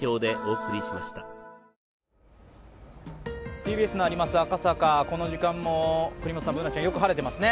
ＴＢＳのあります赤坂、この時間もよく晴れてますね。